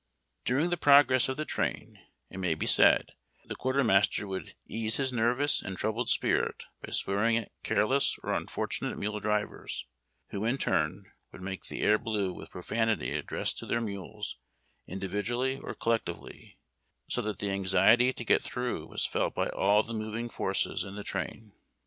During the progress of the train, it may be said, the quartermaster would ease his nervous and troubled spirit by swearing at careless or unfortunate mule drivers, who, in turn, would make the air blue with profanity addressed to their mules, individually or collectively, so that the anxiety to get through was felt by all the moving forces in the train.